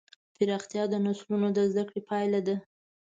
پراختیا د نسلونو د زدهکړې پایله ده.